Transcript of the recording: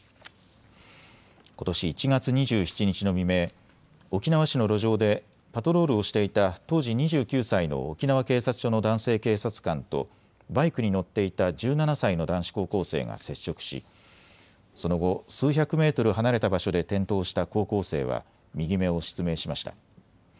ことし１月２７日の未明、沖縄市の路上でパトロールをしていた当時２９歳の沖縄警察署の男性警察官とバイクに乗っていた１７歳の男子高校生が接触しその後、数百メートル離れた場所で転倒した高校生は右目を失明しました。